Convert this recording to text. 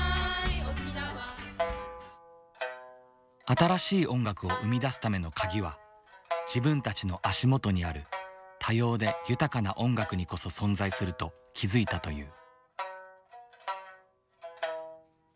新しい音楽を生み出すためのカギは自分たちの足元にある多様で豊かな音楽にこそ存在すると気付いたという。